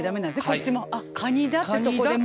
こっちも「あっ蟹だ」ってそこでもう。